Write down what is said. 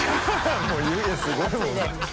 發湯気すごいもんな。